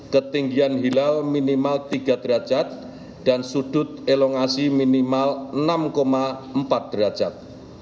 ketinggian hilal minimal tiga derajat dan sudut elongasi minimal enam empat derajat